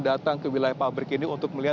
datang ke wilayah pabrik ini